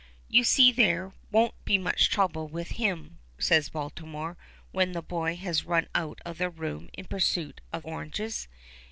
"You see there' won't be much trouble with him," says Baltimore, when the boy has run out of the room in pursuit of oranges.